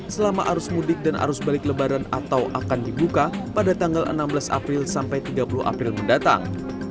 selama arus mudik dan arus balik lebaran atau akan dibuka pada tanggal enam belas april sampai tiga puluh april mendatang